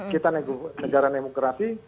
kita negara demokrasi